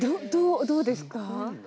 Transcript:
どうですか？